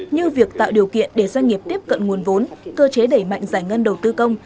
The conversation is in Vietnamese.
như việc tạo điều kiện để doanh nghiệp tiếp cận nguồn vốn cơ chế đẩy mạnh giải ngân đầu tư công